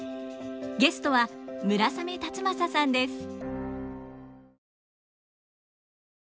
ゲストは村雨辰剛さんです。